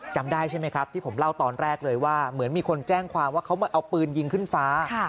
จำได้ใช่ไหมครับที่ผมเล่าตอนแรกเลยว่าเหมือนมีคนแจ้งความว่าเขามาเอาปืนยิงขึ้นฟ้า